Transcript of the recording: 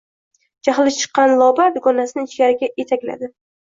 Jahli chiqqan Lobar dugonasini ichkariga etakladi